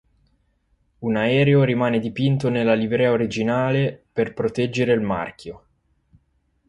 Un aereo rimane dipinto nella livrea originale per proteggere il marchio.